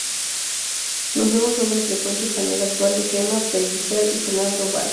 Los nuevos nombres del cuento español actual", de Gemma Pellicer y Fernando Valls.